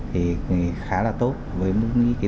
thì khá là tốt với